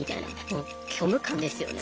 もう虚無感ですよね。